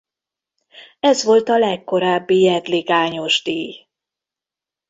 Ez volt a legkorábbi Jedlik Ányos-díj.